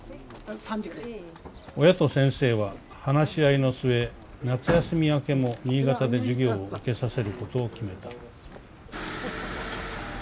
「親と先生は話し合いの末夏休み明けも新潟で授業を受けさせることを決めた」。